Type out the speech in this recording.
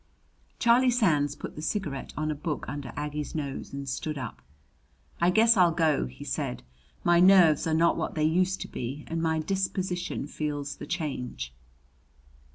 Charlie Sands put the cigarette on a book under Aggie's nose and stood up. "I guess I'll go," he said. "My nerves are not what they used to be and my disposition feels the change."